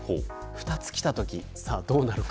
２つきたときどうなるか。